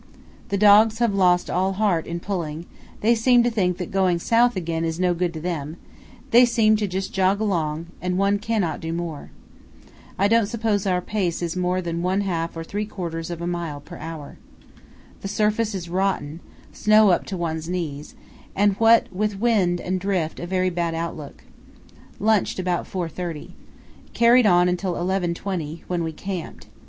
The dogs have lost all heart in pulling; they seem to think that going south again is no good to them; they seem to just jog along, and one cannot do more. I don't suppose our pace is more than one half or three quarters of a mile per hour. The surface is rotten, snow up to one's knees, and what with wind and drift a very bad outlook. Lunched about 4.30. Carried on until 11.20, when we camped.